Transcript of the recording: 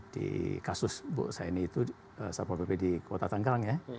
di kasus busain itu satpol pp di kota tanggang ya